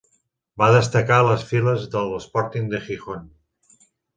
Va destacar a les files de l'Sporting de Gijón.